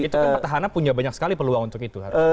itu kan petahana punya banyak sekali peluang untuk itu